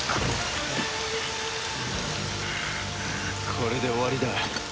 これで終わりだ。